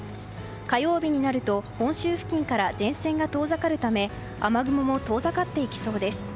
火曜日になると本州付近から前線が遠ざかるため雨雲も遠ざかっていきそうです。